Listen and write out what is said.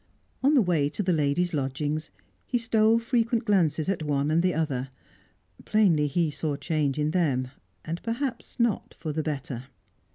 On the way to the ladies' lodgings, he stole frequent glances at one and the other; plainly he saw change in them, and perhaps not for the better.